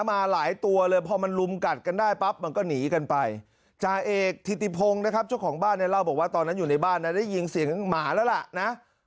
ตายแล้วเลือดออกเยอะเลยพี่ต้น